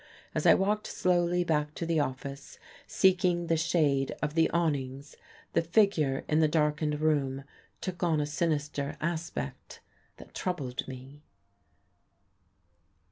As I walked slowly back to the office, seeking the shade of the awnings, the figure in the darkened room took on a sinister aspect that troubled me....